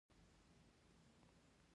ولې؟ دلته خو به دې نفس نه وي تنګ شوی؟